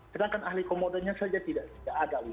sedangkan ahli komodenya saja tidak ada lagi